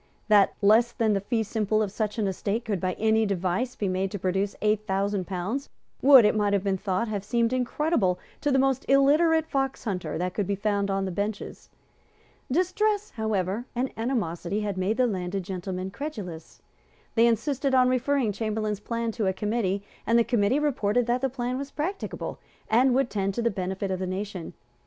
That less than the fee simple of such an estate could, by any device, be made to produce eight thousand pounds, would, it might have been thought, have seemed incredible to the most illiterate foxhunter that could be found on the benches. Distress, however, and animosity had made the landed gentlemen credulous. They insisted on referring Chamberlayne's plan to a committee; and the committee reported that the plan was practicable, and would tend to the benefit of the nation.